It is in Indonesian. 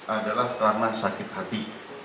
adalah karena sakit hati